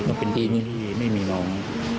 ต้องเป็นที่นี่ที่นี่ไม่มีน้อง